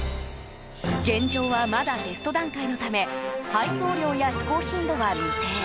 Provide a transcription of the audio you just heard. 現状は、まだテスト段階のため配送料や飛行頻度は未定。